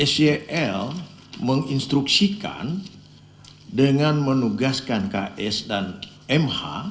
sel menginstruksikan dengan menugaskan ks dan mh